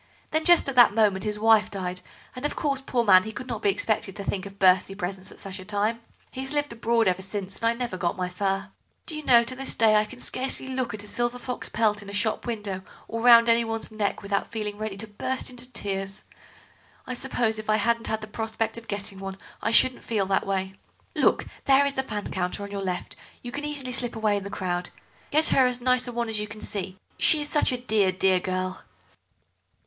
Then just at that moment his wife died, and, of course, poor man, he could not be expected to think of birthday presents at such a time. He has lived abroad ever since, and I never got my fur. Do you know, to this day I can scarcely look at a silver fox pelt in a shop window or round anyone's neck without feeling ready to burst into tears. I suppose if I hadn't had the prospect of getting one I shouldn't feel that way. Look, there is the fan counter, on your left; you can easily slip away in the crowd. Get her as nice a one as you can see—she is such a dear, dear girl."